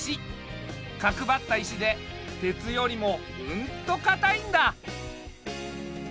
角ばった石で鉄よりもうんと硬いんだ。